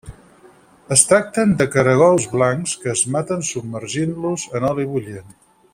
Es tracten de caragols blancs que es maten submergint-los en oli bullent.